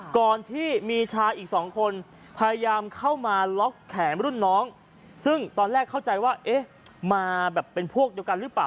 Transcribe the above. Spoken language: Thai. ก่อนที่มีชายอีกสองคนพยายามเข้ามาล็อกแขนรุ่นน้องซึ่งตอนแรกเข้าใจว่าเอ๊ะมาแบบเป็นพวกเดียวกันหรือเปล่า